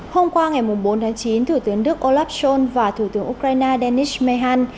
hôm qua ngày bốn chín thủ tướng đức olaf scholz và thủ tướng ukraine denis mekhan